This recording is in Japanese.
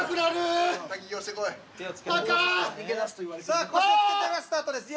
さあ腰を浸けたらスタートです。